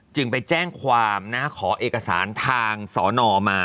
จึงไปแจ้งความขอเอกสารทางสอนอมา